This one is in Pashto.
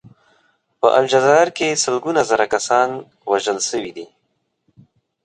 په الجزایر کې سلګونه زره کسان وژل شوي دي.